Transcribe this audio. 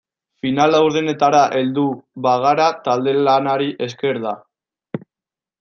Final laurdenetara heldu bagara talde-lanari esker da.